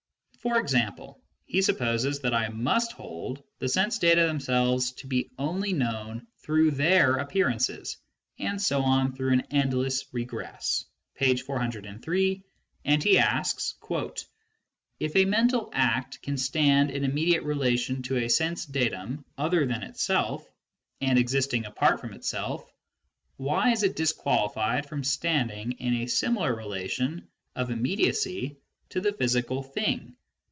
For example, he supposes that I must hold the sense data themselves to be only known through their appearances, and ┬░d on through an endless regress (p. 403), and he asks :" If a mental act can stand in immediate relation to a sense datum other than itself, and existing apart from itself, why is it disquaUfied from standing in a similar relation of immediacy to the physical thing?"